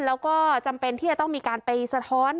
แล้วก็จำเป็นที่จะต้องมีการไปสะท้อน